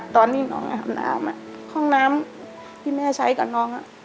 ตอนที่น้องอาบน้ำห้องน้ำที่แม่ใช้กับน้อง